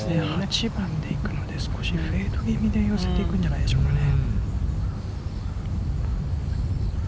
１番でいくので、少しフェード気味でいくんじゃないですかね。